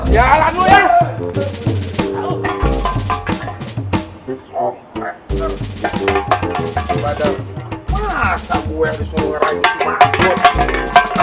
jalan lu ya